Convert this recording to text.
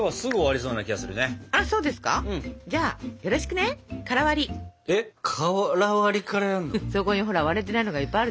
そこにほら割れてないのがいっぱいあるでしょ？